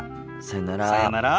さようなら。